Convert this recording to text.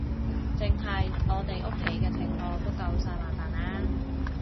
淨係我哋屋企嘅情況都夠晒麻煩喇